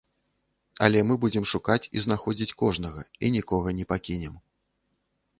Але мы будзем шукаць і знаходзіць кожнага і нікога не пакінем.